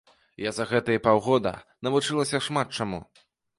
Я за гэтыя паўгода навучылася шмат чаму.